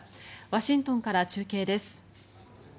ワシントンから中継です。